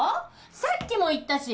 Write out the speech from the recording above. さっきも言ったし！